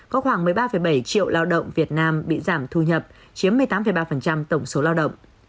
có khoảng một mươi ba bảy triệu lao động việt nam bị giảm thu nhập chiếm một mươi tám ba tổng số lao động